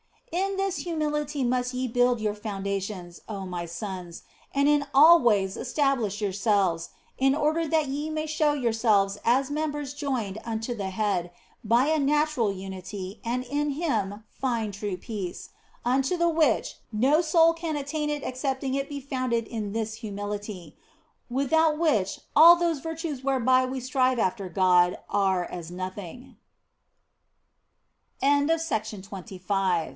In this humility must ye build your foundations, oh my sons, and in all ways establish yourselves, in order that ye may show yourselves as members joined unto the Head by a natural unity and in Him find true peace, unto the which no soul can attain excepting it be founded in this humility, without which all those virtues whereby we s